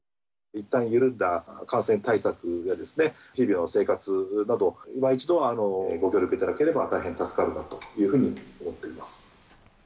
いったん緩んだ感染対策が日々の生活など、いま一度、ご協力いただければ、大変助かるなというふうに思っています。